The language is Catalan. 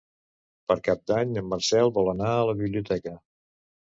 Per Cap d'Any en Marcel vol anar a la biblioteca.